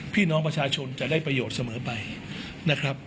พี่น้องประชาชนจะได้ประโยชน์เสมอไปนะครับ